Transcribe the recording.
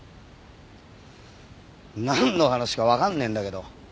なんの話かわかんねえんだけど。